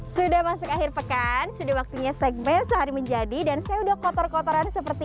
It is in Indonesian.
sudah masuk akhir pekan sudah waktunya segmen sehari menjadi dan saya udah kotor kotoran seperti